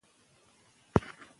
ښه تغذیه د ناروغیو مخنیوی کوي.